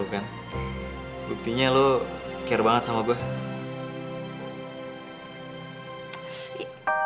tuh kan buktinya lo care banget sama gue